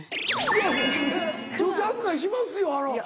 いや女性扱いしますよ。